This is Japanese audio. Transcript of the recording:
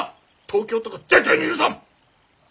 東京とか絶対に許さん！